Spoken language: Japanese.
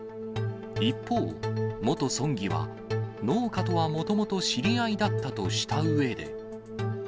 一方、元村議は、農家とはもともと知り合いだったとしたうえで。